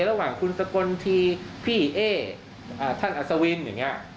ระหว่างคุณสกลทีพี่เอ๊ท่านอัศวินอย่างนี้